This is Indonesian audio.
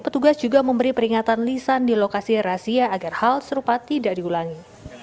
petugas juga memberi peringatan lisan di lokasi razia agar hal serupa tidak diulangi